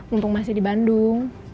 untung masih di bandung